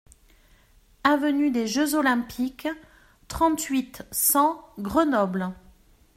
Avenue des Jeux Olympiques, trente-huit, cent Grenoble